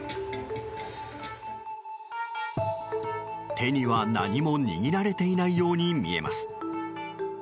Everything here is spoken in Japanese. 手には何も握られていないように見えます。